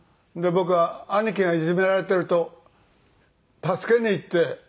僕は兄貴がいじめられてると助けに行って。